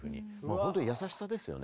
本当に優しさですよね。